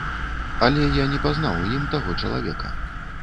Але я не пазнаў у ім таго чалавека.